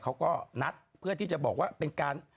เขาก็นัดเพื่อที่จะบอกว่าเป็นการ